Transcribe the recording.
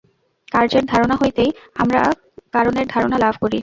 কার্যের ধারণা হইতেই আমরা কারণের ধারণা লাভ করি।